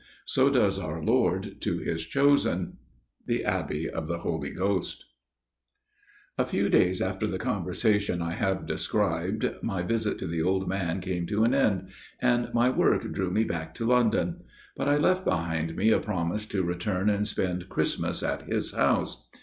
So does our Lord to His chosen.'" The Abbey of the Holy Ghost. Unto Babes A FEW days after the conversation I have described my visit to the old man came to an end, and my work drew me back to London; but I left behind me a promise to return and spend Christmas at his house.